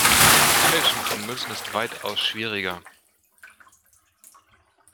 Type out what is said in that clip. Das Fälschen von Münzen ist weitaus schwieriger.